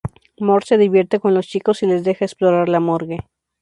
Mort se divierte con los chicos y les deja explorar la morgue.